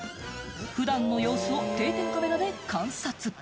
普段の様子を定点カメラで観察。